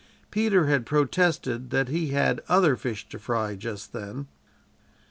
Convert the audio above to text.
Peter had protested that he "had other fish to fry" just then.